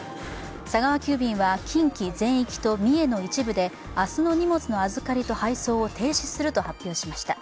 佐川急便は近畿全域と三重の一部で明日の荷物の預かりを停止すると発表しました。